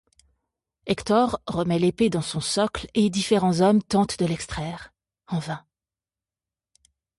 Hector remet l'épée dans son socle et différents hommes tentent de l'extraire, en vain.